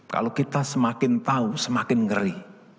kalau kita semakin tahu semakin ngeri